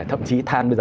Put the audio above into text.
thậm chí than bây giờ